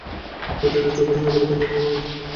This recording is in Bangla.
অতি তুচ্ছ কারণে আমেরিকানদের বিয়ে ভাঙে।